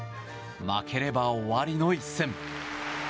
負ければ終わりの一戦。